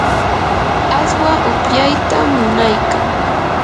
aswa upyaytam munaykan.